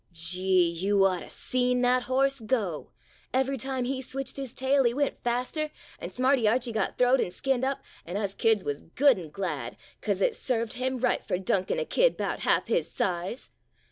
Gee! you ought to seen that horse go ! Every time he switched his tail he went faster, an' Smarty Archie got throwed an' skinned up, an' us kids wuz good an' glad, 'cause it served him right fur duckin' a kid 'bout half his size.